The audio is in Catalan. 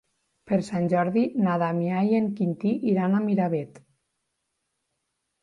Per Sant Jordi na Damià i en Quintí iran a Miravet.